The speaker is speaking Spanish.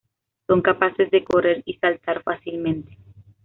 Son capaces de correr y saltar fácilmente.